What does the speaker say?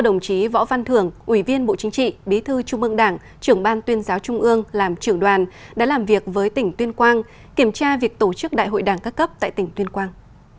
đồng chí võ văn thưởng ủy viên bộ chính trị bí thư trung ương đảng trưởng ban tuyên giáo trung ương làm trưởng đoàn đã làm việc với tỉnh tuyên quang kiểm tra việc tổ chức đại hội đảng các cấp tại tỉnh tuyên quang